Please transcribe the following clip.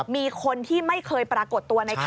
มีคนที่ไม่เคยปรากฏตัวในข่าว